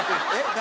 何？